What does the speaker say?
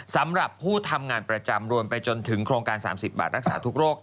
สำหรับผู้ทำงานประจำรวมไปจนถึงโครงการ๓๐บาทรักษาทุกโรค